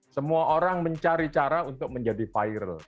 semua orang mencari cara untuk menjadi viral